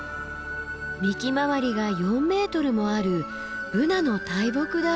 幹回りが４ｍもあるブナの大木だ。